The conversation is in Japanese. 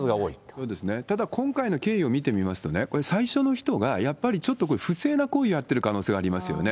そうですね、ただ、今回の経緯を見てみますとね、これ、最初の人がやっぱりちょっと不正な行為やってる可能性がありますよね。